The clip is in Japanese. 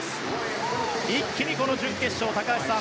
一気に準決勝、高橋さん